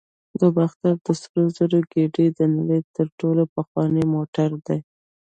د باختر د سرو زرو ګېډۍ د نړۍ تر ټولو پخوانی موټر دی